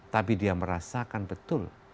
tapi dia merasakan betul